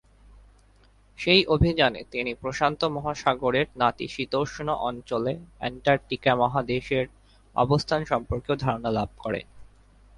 সেই অভিযানে তিনি প্রশান্ত মহাসাগরের নাতিশীতোষ্ণ অঞ্চলে অ্যান্টার্কটিকা মহাদেশের অবস্থান সম্পর্কেও ধারণা লাভ করেন।